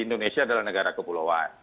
indonesia adalah negara kepulauan